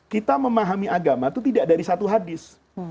kita memahami agama itu tidak dari satu hadis